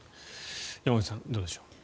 山口さん、どうでしょう。